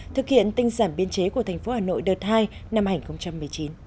thực hiện tinh giảm biên chế của thành phố hà nội đợt hai năm hai nghìn một mươi chín